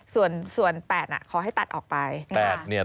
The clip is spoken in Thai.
ส่วน๘ขอให้ตัดออกไป